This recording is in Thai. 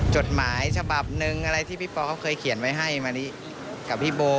จดหมายฉบับหนึ่งอะไรที่พี่ปอเขาเคยเขียนไว้ให้มะลิกับพี่โบ